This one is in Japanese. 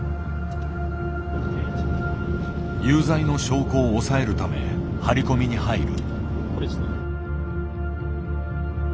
有罪の証拠を押さえるため張り込みに入る。